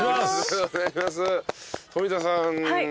富田さん。